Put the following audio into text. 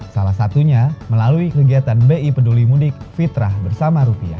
salah satunya melalui kegiatan bi peduli mudik fitrah bersama rupiah